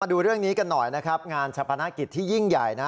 ดูเรื่องนี้กันหน่อยนะครับงานชะพนักกิจที่ยิ่งใหญ่นะ